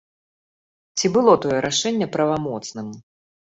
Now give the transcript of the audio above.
Ці было тое рашэнне правамоцным?